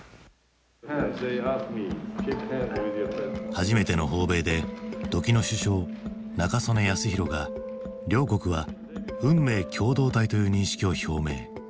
初めての訪米で時の首相中曽根康弘が両国は運命共同体という認識を表明。